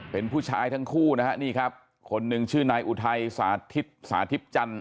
เป็นผู้ชายทั้งคู่นะฮะนี่ครับคนหนึ่งชื่อนายอุทัยสาธิตสาธิตจันท